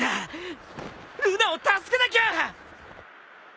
ルナを助けなきゃ。